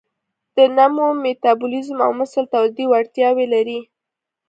د نمو، میتابولیزم او مثل تولید وړتیاوې لري.